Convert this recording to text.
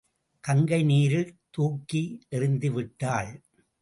கங்கை நீரில் தூக்கி எறிந்துவிட்டாள்.